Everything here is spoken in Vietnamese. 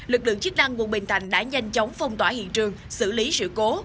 lực lượng chức năng quận bình thạnh đã nhanh chóng phong tỏa hiện trường xử lý sự cố